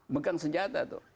begang senjata tuh